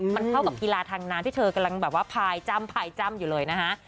มันเข้ากับกีฬาทางน้ำที่เธอกำลังแบบว่าพายจ้ำพายจ้ำอยู่เลยนะฮะ